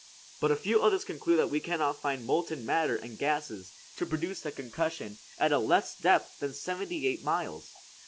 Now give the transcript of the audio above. But a few others conclude that we cannot find molten matter and gases to produce the concussion at a less depth than seventy eight miles.